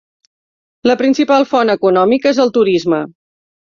La principal font econòmica és el turisme.